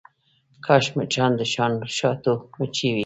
کاش مچان د شاتو مچۍ وی.